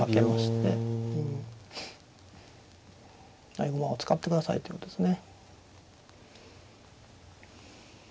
合駒を使ってくださいということですね。